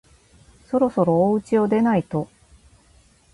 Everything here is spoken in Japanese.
そろそろおうちを出ないと